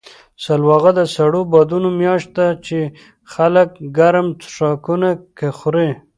سلواغه د سړو بادونو میاشت ده، چې خلک ګرم څښاکونه خوري.